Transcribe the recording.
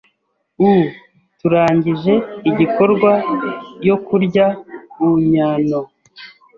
Uu turangije igikorwa yo kurya uunnyano